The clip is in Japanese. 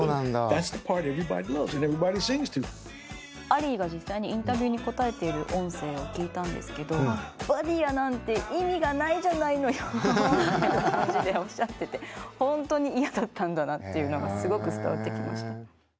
アリーが実際にインタビューに答えている音声を聞いたんですけど「『バーディヤー』なんて意味がないじゃないのよ」みたいな感じでおっしゃっててほんとに嫌だったんだなっていうのがすごく伝わってきました。